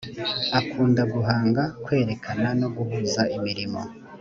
akunda guhanga kwerekana no guhuza imirimo